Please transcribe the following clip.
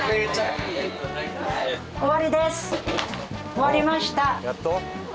終わりました。